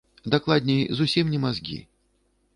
Дакладней, зусім не мазгі.